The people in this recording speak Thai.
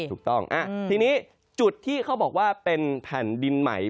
ถูกต้องทีนี้จุดที่เขาบอกว่าเป็นแผ่นดินใหม่